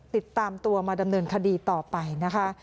ติดตามตัวมาดำเนินคดีต่อไปนะคะ